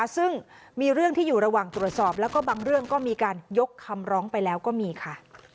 ซึ่งมีเรื่องที่อยู่ระหว่างตรวจสอบแล้วก็บางเรื่องก็มีการยกคำร้องไปแล้วก็มีค่ะ